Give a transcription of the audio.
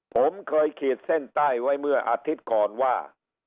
ผมเคยขีดเส้นใต้ไว้เมื่ออาทิตย์ก่อนว่า